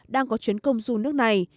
đang có chuyến công du nước này